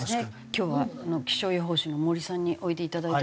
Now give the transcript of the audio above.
今日は気象予報士の森さんにおいでいただいて。